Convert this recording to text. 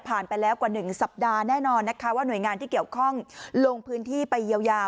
ไปแล้วกว่า๑สัปดาห์แน่นอนนะคะว่าหน่วยงานที่เกี่ยวข้องลงพื้นที่ไปเยียวยา